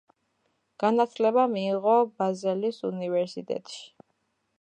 განათლება მიიღო ბაზელის უნივერსიტეტში.